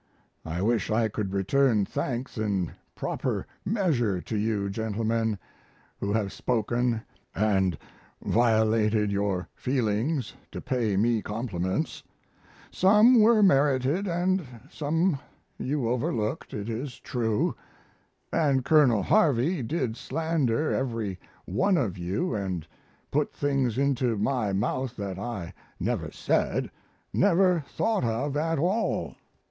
I wish I could return thanks in proper measure to you, gentlemen, who have spoken and violated your feelings to pay me compliments; some were merited and some you overlooked, it is true; and Colonel Harvey did slander every one of you, and put things into my mouth that I never said, never thought of at all.